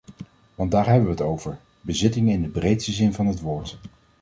Want daar hebben we het over: bezittingen in de breedste zin van het woord.